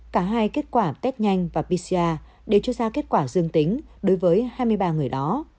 cả hai kết quả test nhanh và pcr đều cho ra kết quả dương tính đối với hai mươi ba người đó